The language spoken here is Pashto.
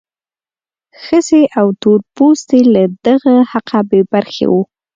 ښځې او تور پوستي له دغه حقه بې برخې وو.